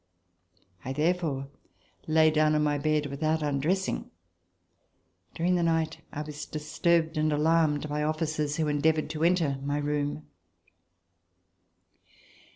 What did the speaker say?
I therefore lay down on the bed without undressing. During the night I was disturbed and alarmed by officers who endeavored to enter my room.